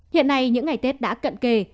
hiện nay những ngày tết đã cận kề